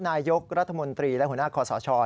นายกรัฐมนตรีและหุนากรซช